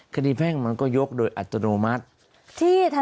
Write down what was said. แพ่งมันก็ยกโดยอัตโนมัติ